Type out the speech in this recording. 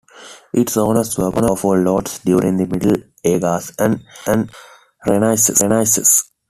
Its owners were powerful lords during the Middle Ages and the Renaissance.